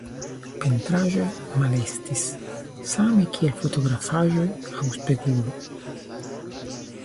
Pentraĵoj malestis same kiel fotografaĵoj aŭ spegulo.